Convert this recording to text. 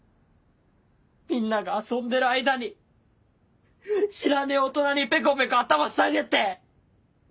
みんなが遊んでる間に知らねえ大人にペコペコ頭下げて！